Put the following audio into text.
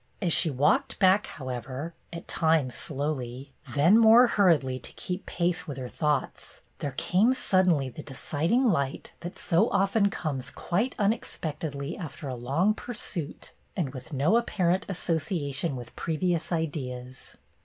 As she walked back, however, at times slowly, then more hurriedly to keep pace with her thoughts, there came suddenly the deciding light that so often comes quite unexpectedly after a long pursuit and with no apparent as sociation with previous ideas.